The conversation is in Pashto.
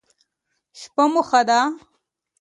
شپه مو ښه ده